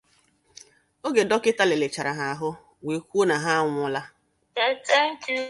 oge dọkịta lelechaara ha ahụ wee kwuo na ha anwụọla.